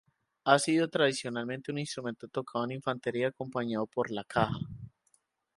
Ha sido tradicionalmente un instrumento tocado en infantería acompañado por la caja.